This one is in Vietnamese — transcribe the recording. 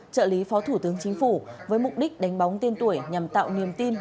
trợ lý phó thủ tướng chính phủ với mục đích đánh bóng tiên tuổi nhằm tạo niềm tin